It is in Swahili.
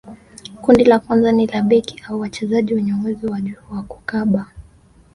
kundi la kwanza ni la beki au wachezaji wenye uwezo wa juu wa kukaba